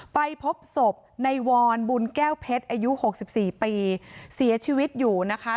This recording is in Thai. ไปพบศพในวรบุญแก้วเพชรอายุ๖๔ปีเสียชีวิตอยู่นะคะ